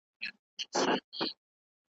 چي ورور مي د خورلڼي ناوکۍ د پلو غل دی .